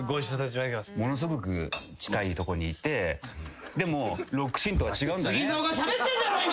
ものすごく近いとこにいてでもロックシーンとか。